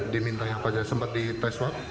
di minta apa saja sempat di tes swab